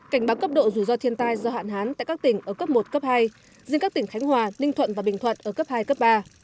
cảnh báo cấp độ rủi ro thiên tai do hạn hán tại các tỉnh ở cấp một cấp hai riêng các tỉnh khánh hòa ninh thuận và bình thuận ở cấp hai cấp ba